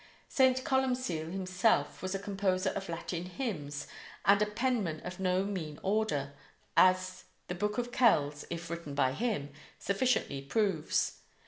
St. Columcille himself was a composer of Latin hymns and a penman of no mean order, as the Book of Kells, if written by him, sufficiently proves.